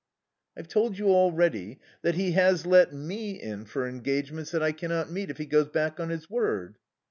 "I've told you already that he has let me in for engagements that I cannot meet if he goes back on his word."